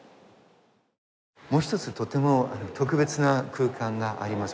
もう一つとても特別な空間があります